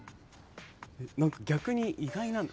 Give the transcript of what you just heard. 何か逆に意外な。